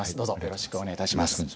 どうぞよろしくお願い致します。